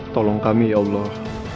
tolong kami ya allah